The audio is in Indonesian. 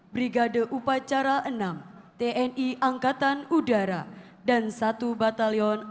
brigade upacara enam tni angkatan udara dan satu batalion